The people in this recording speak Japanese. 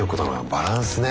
バランスね。